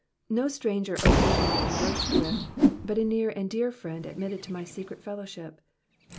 No stranger occasionally con versed with, but H near and dear friend admitted to my secret fellowship.